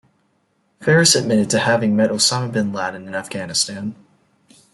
Faris admitted to having met Osama bin Laden in Afghanistan.